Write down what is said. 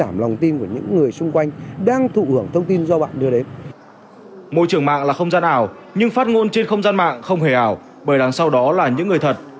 môi trường mạng là không gian ảo nhưng phát ngôn trên không gian mạng không hề ảo bởi đằng sau đó là những người thật